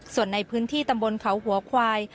ส่วนในพื้นที่ตำบลเขาหัวควาย